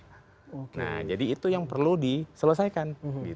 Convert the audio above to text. nah jadi itu yang perlu diselesaikan